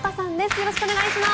よろしくお願いします。